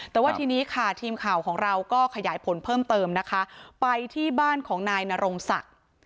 แต่ว่าทีนี้ค่ะทีมข่าวของเราก็ขยายผลเพิ่มเติมนะคะไปที่บ้านของนายนรงศักดิ์